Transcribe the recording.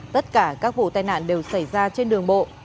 tất cả các vụ tai nạn đều xảy ra trên đường bộ